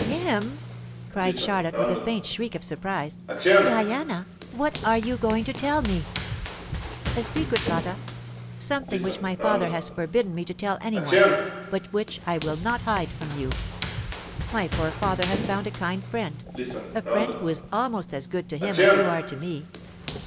"Him!" cried Charlotte, with a faint shriek of surprise. "Diana, WHAT are you going to tell me?" "A secret, Lotta; something which my father has forbidden me to tell any one, but which I will not hide from you. My poor father has found a kind friend a friend who is almost as good to him as you are to me.